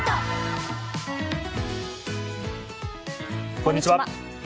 こんにちは。